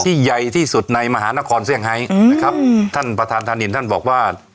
ใหญ่ที่สุดในมหานครเซี่ยงไฮอืมนะครับอืมท่านประธานธานินท่านบอกว่า